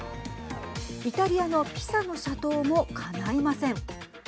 イタリアのピサの斜塔もかないません。